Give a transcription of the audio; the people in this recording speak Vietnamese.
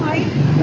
máy tiền thì mấy